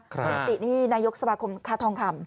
ปราตินี้นายกสามารถคงฆ่าทองคำ